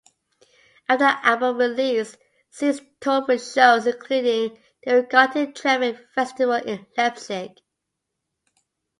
After the album release, Seize toured, with shows including the Wave-Gotik-Treffen festival in Leipzig.